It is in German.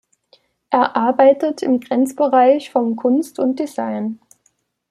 Er arbeitet im Grenzbereich von Kunst und Design.